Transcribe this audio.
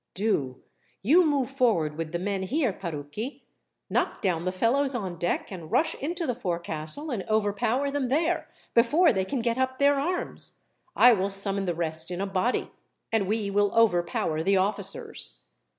"Do you move forward with the men here, Parucchi. Knock down the fellows on deck, and rush into the forecastle and overpower them there, before they can get up their arms. I will summon the rest in a body, and we will overpower the officers."